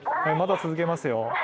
まだ続けますよ。